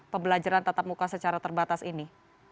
pembelajaran tatap muka secara terbatas ini